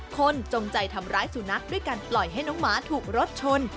จงใจทำร้ายสุนัขด้วยการปล่อยให้น้องหมาถูกรถชน